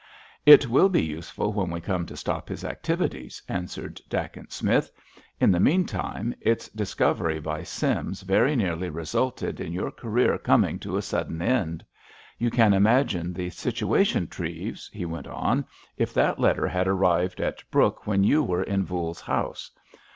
"It will be useful when we come to stop his activities," answered Dacent Smith. "In the meantime its discovery by Sims very nearly resulted in your career coming to a sudden end. You can imagine the situation, Treves," he went on, "if that letter had arrived at Brooke when you were in Voules's house.